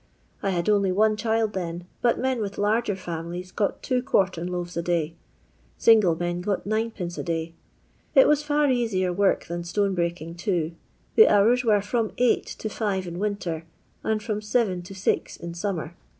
I had only one child then, but men with larger fiunilies got two quartern loaves a day. Single men got dd, a day. It was fiir easier work than stone breaking too. The hours were from eight to five in winter, and from seven to six in summer.